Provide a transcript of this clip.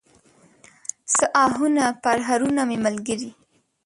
څه آهونه، پرهرونه مې ملګري